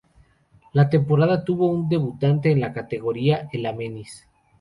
La temporada tuvo un debutante en la categoría, el Amiens.